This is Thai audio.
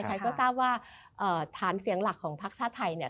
ใครก็ทราบว่าฐานเสียงหลักของพักชาติไทยเนี่ย